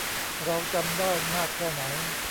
เราจำได้มากแค่ไหน